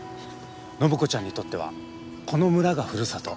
暢子ちゃんにとってはこの村がふるさと。